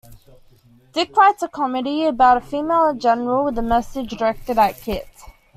Dick writes a comedy about a female general with a message directed at Kit.